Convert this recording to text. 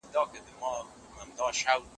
زه د هغې په خبرو پوه شوم.